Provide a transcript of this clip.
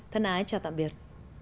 thân ái chào tạm biệt